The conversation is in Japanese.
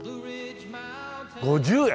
５０円！